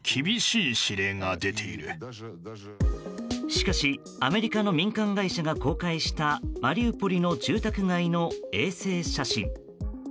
しかしアメリカの民間会社が公開したマリウポリの住宅街の衛星写真。